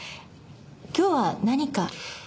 今日は何か？